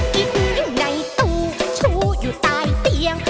กินอยู่ในตู้ชูอยู่ใต้เตียง